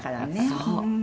「そう。